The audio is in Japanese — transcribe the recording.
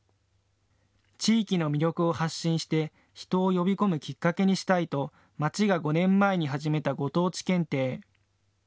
地域の魅力を発信して人を呼び込むきっかけにしたいと町が５年前に始めたご当地検定。